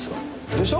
でしょ？